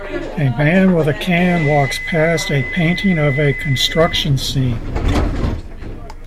A man with a can walks past a painting of a construction scene.